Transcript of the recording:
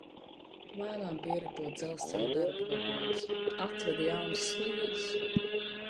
Lēnām pieripo dzelzceļa darba vagons. Atveda jaunas sliedes!